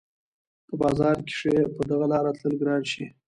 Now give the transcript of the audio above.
په باران کښې په دغه لاره تلل ګران شي